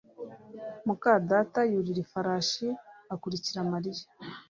muka data yurira ifarashi akurikira Mariya